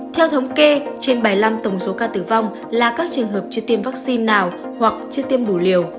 theo thống kê trên bảy mươi năm tổng số ca tử vong là các trường hợp chưa tiêm vaccine nào hoặc chưa tiêm đủ liều